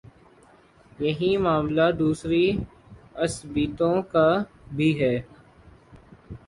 یہی معاملہ دوسری عصبیتوں کا بھی ہے۔